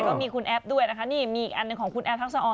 ก็มีคุณแอฟด้วยนะคะนี่มีอีกอันหนึ่งของคุณแอฟทักษะออ